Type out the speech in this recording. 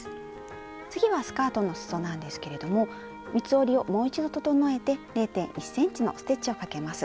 次はスカートのすそなんですけれども三つ折りをもう一度整えて０．１ｃｍのステッチをかけます。